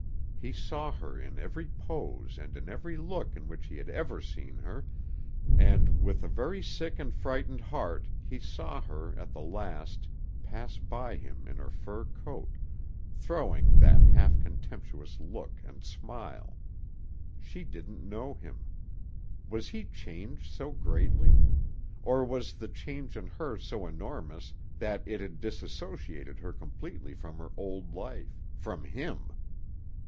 He saw her in every pose and in every look in which he had ever seen her, and, with a very sick and frightened heart, he saw her, at the last, pass by him in her fur coat, throwing him that half contemptuous look and smile. She didn't know him. Was he changed so greatly? Or was the change in her so enormous that it had disassociated her completely from her old life, from him?